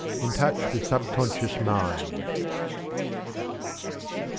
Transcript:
IN TOUCH WITH SUB CONSCIOUS MIND.